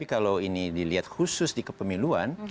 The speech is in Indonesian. kalau ini dilihat khusus di kepemiluan